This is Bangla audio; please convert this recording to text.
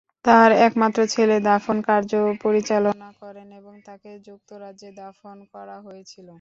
তার একমাত্র ছেলে দাফন কার্য পরিচালনা করেন এবং তাকে যুক্তরাজ্যে দাফন করা হয়েছিল।